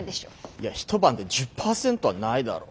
いや一晩で１０％はないだろ。